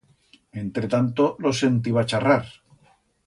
Entretanto los sentiba charrar...